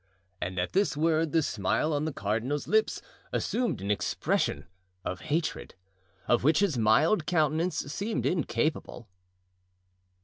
'" And at this word the smile on the cardinal's lips assumed an expression of hatred, of which his mild countenance seemed incapable.